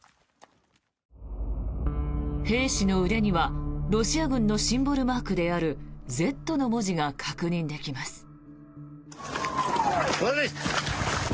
兵士の腕にはロシア軍のシンボルマークである「Ｚ」の文字が確認できます。